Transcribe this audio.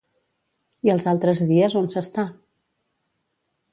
I els altres dies on s'està?